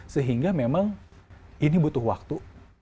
sehingga memang ini butuh waktu